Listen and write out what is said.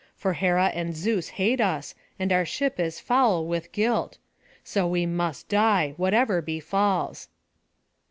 For Hera and Zeus hate us, and our ship is foul with guilt; so we must die, whatever befalls."